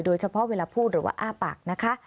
โดยเฉพาะเวลาพูดหรือว่าอ้าปักนะคะ